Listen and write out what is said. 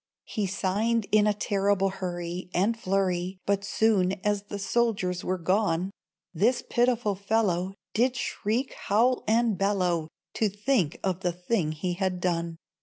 He signed in a terrible hurry, And flurry; But soon as the soldiers were gone, This pitiful fellow Did shriek, howl and bellow, To think of the thing he had done.